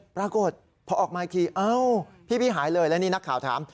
ปรากฏพอออกมาอีกทีเอ้าพี่หายเลยแล้วนี่นักข่าวถาม